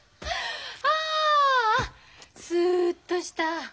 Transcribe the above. ああスッとした。